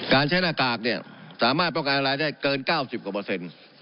การใช้หน้ากากเนี่ยสามารถประกาศได้เกินเก้าสิบกว่าเปอร์เซ็นต์